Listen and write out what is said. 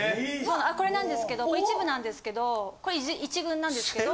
これなんですけどこれ一部なんですけどこれ一軍なんですけど。